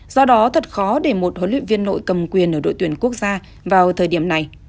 do đó thật khó để một huấn luyện viên nội cầm quyền ở đội tuyển quốc gia vào thời điểm này